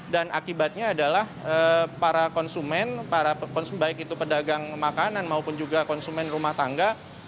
dan akibatnya adalah para konsumen baik itu pedagang makanan maupun juga konsumen rumah tangga